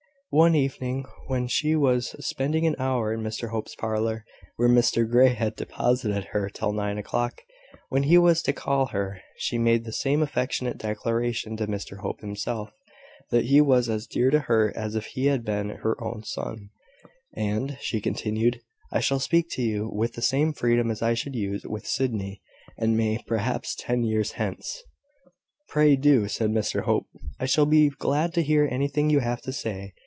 One evening, when she was spending an hour in Mr Hope's parlour, where Mr Grey had deposited her till nine o'clock, when he was to call for her, she made the same affectionate declaration to Mr Hope himself, that he was as dear to her as if he had been her own son; "and," she continued, "I shall speak to you with the same freedom as I should use with Sydney, and may, perhaps, ten years hence." "Pray do," said Mr Hope. "I shall be glad to hear anything you have to say.